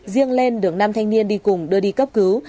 riêng lên đường nam thanh niên đi cùng đưa đi cấp cứu